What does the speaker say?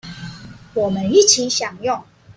我們一起享用